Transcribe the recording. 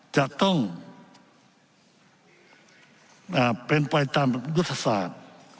จะต้องเป็นไปตามยุทธศาสตร์